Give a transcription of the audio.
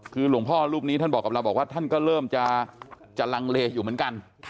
คือหลวงพ่อรูปนี้ท่านบอกกับเราบอกว่าท่านก็เริ่มจะลังเลอยู่เหมือนกัน